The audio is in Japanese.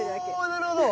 おなるほど。